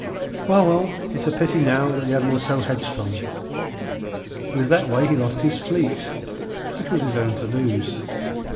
"Well, well, it's a pity now that the Admiral's so headstrong. It was that way he lost his fleet, which was his own to lose.